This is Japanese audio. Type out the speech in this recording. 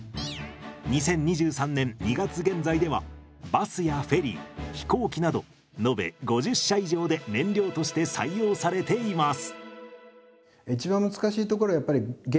２０２３年２月現在ではバスやフェリー飛行機など延べ５０社以上で燃料として採用されています。